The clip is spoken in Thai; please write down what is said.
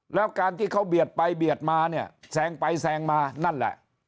แล้วการที่เขาเบียดไปเบียดมาเนี่ยแซงไปแซงมานั่นแหละ